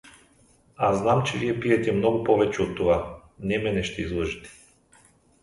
Аз знам, че вие пиете много повече от това, не мене ще излъжете.